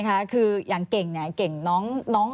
มันคืออย่างเก่งเนี่ย